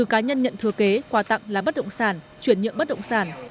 bốn cá nhân nhận thừa kế quà tặng là bất động sản chuyển nhượng bất động sản